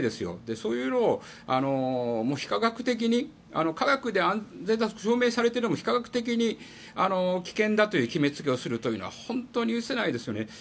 そういうのを非科学的に科学で安全が証明されても非科学的に危険だという決めつけをするというのは本当に許せないですよね。